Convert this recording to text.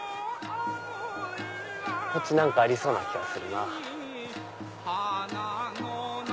こっち何かありそうな気がするな。